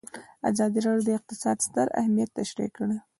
ازادي راډیو د اقتصاد ستر اهميت تشریح کړی.